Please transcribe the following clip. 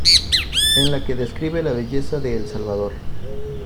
En la que describe la belleza de El Salvador.